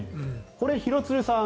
これ、廣津留さん